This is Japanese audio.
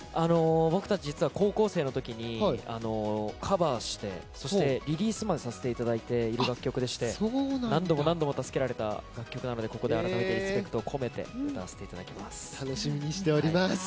僕たち、実は高校生のときにカバーしてリリースまでさせていただいている楽曲でして何度も何度も助けられた楽曲なのでここであらためてリスペクトを込めて楽しみにしております。